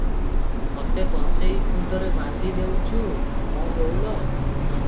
ମତେ କଁସେଇ ଖୁଣ୍ଟରେ ବାନ୍ଧି ଦେଇଛୁ ମୋ ବୋଉଲୋ!